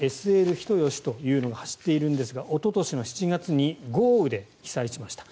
ＳＬ人吉というのが走っているんですがおととしの７月に豪雨で被災しました。